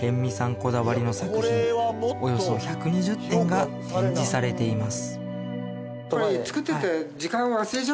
こだわりの作品およそ１２０点が展示されています